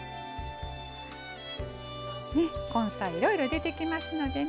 根菜、いろいろ出てきますのでね